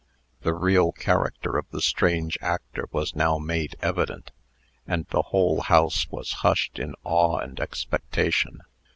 The real character of the strange actor was now made evident, and the whole house was hushed in awe and expectation.